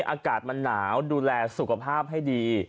อากาศมันหนาวดูแลสุขภาพให้ดี